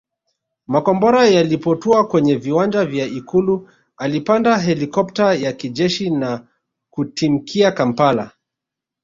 Makombora yalipotua kwenye viwanja vya Ikulu alipanda helikopta ya jeshi na kutimkia Kampala